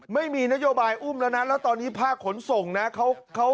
ไม่มีนโยบายอุ้มแล้วนะแล้วตอนนี้ภาคขนส่งนะ